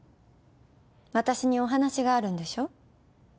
私にお話があるんでしょう？